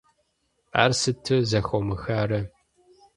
Ар сыту зэхомыхарэ?